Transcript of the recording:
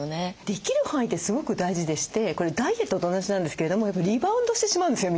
できる範囲ってすごく大事でしてこれダイエットと同じなんですけれどもリバウンドしてしまうんですよ